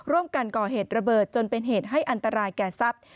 ร่วมกันก่อเหตุระเบิดจนเป็นเหตุให้อันตรายแก่ทรัพย์